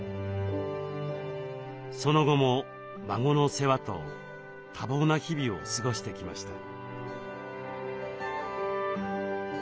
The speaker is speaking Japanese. その後も孫の世話と多忙な日々を過ごしてきました。